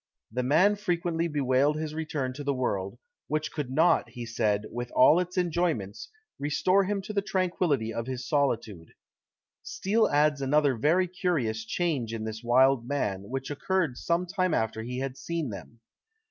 The man frequently bewailed his return to the world, which could not, he said, with all its enjoyments, restore him to the tranquillity of his solitude." Steele adds another very curious change in this wild man, which occurred some time after he had seen him.